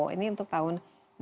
ini untuk tahun dua ribu dua